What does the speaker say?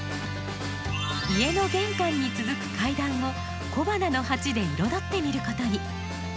家の玄関に続く階段を小花の鉢で彩ってみることに。